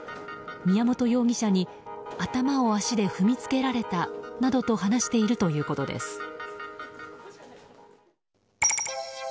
宮本容疑者に頭を足で踏みつけられたなどと話しているということです。